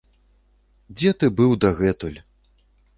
Дзе ты быў дагэтуль?